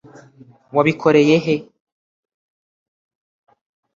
wabikoreye he